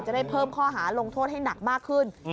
ได้เพิ่มข้อหาลงโทษให้หนักมากขึ้น